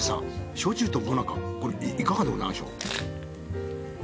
焼酎ともなかこれいかがでございましょう？